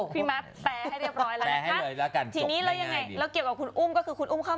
พี่มัทแปลให้เรียบร้อยแล้วนะครับ